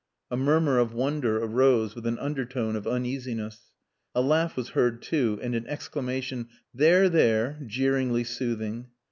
A murmur of wonder arose with an undertone of uneasiness. A laugh was heard too, and an exclamation, "There! there!" jeeringly soothing.